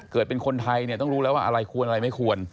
เป็นคนไทยเนี่ยต้องรู้แล้วว่าอะไรควรอะไรไม่ควร